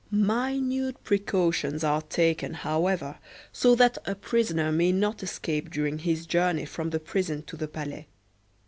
Minute precautions are taken, however, so that a prisoner may not escape during his journey from the prison to the Palais.